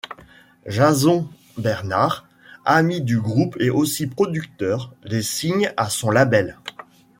Jason Bernard, ami du groupe et aussi producteur, les signe à son label.